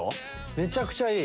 めちゃくちゃいい。